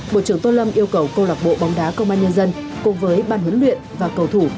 bộ trưởng tô lâm yêu cầu câu lạc bộ bóng đá công an nhân dân cùng với ban huấn luyện và cầu thủ